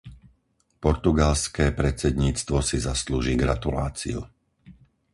Portugalské predsedníctvo si zaslúži gratuláciu.